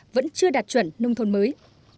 vẫn chưa đạt chuẩn nông thôn mới